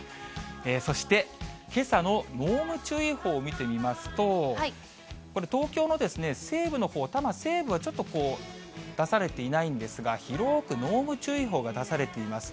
そして、けさの濃霧注意報を見てみますと、これ、東京の西部のほう、多摩西部は、ちょっとこう、出されていないんですが、広く濃霧注意報が出されています。